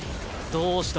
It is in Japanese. どうした？